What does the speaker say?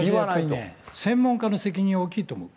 私ね、専門家の責任大きいと思う。